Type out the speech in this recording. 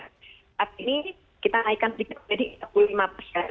saat ini kita naikkan sedikit menjadi tiga puluh lima persen